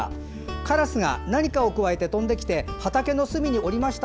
からすが何かをくわえて飛んできて畑の隅に降りました。